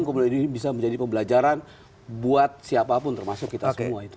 kemudian ini bisa menjadi pembelajaran buat siapapun termasuk kita semua itu